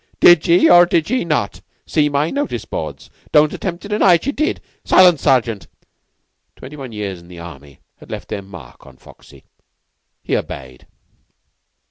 Did ye, or did ye not, see my notice boards? Don't attempt to deny it! Ye did. Silence, Sergeant!" Twenty one years in the army had left their mark on Foxy. He obeyed.